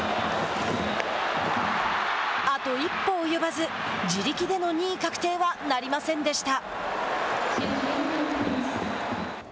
あと一歩及ばず自力での２位確定はなりませんでした。